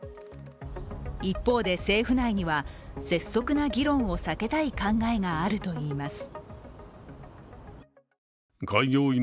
一方で、政府内には拙速な議論を避けたい考えがあるといいます。